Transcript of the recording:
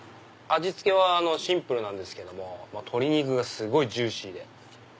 味付けはシンプルなんですけども鶏肉がすごいジューシー。